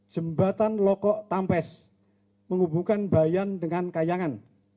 jembatan loko tampes menghubungkan bayan dengan kayangan